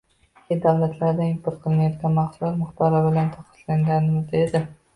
chet davlatlardan import qilinayotgan mahsulot miqdori bilan taqqoslaganimizda edi